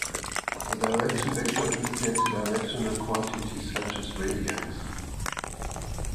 A direction vector indicates a directional quantity, such as Radiance.